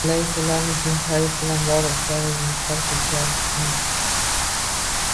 Oilaviy sirlarni, jinsiy hayot bilan bog‘liq ishlarni zinhor ko‘chaga olib chiqmang.